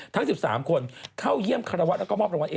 ทั้ง๑๓คนเข้าเยี่ยมคารวะแล้วก็มอบรางวัล